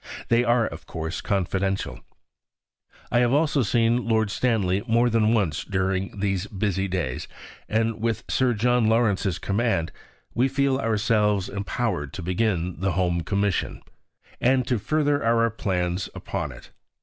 They are, of course, confidential. I have also seen Lord Stanley more than once during these busy days. And with Sir John Lawrence's command, we feel ourselves empowered to begin the Home Commission, and to further our plans upon it.